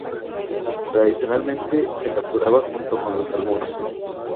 Tradicionalmente se capturaba junto con los salmones.